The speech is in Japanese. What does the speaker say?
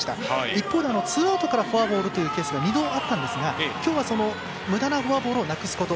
一方、ツーアウトからフォアボールというケースが２度ありましたが今日は、むだなフォアボールをなくすこと。